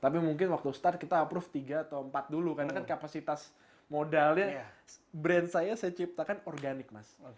tapi mungkin waktu start kita approve tiga atau empat dulu karena kan kapasitas modalnya brand saya saya ciptakan organik mas